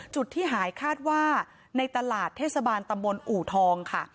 จุดที่หายคาดว่าในตลาดเทศบาลตำบลอู่ทองค่ะ